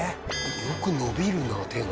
よく伸びるな手が。